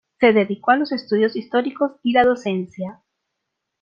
Se dedicó a los estudios históricos y la docencia.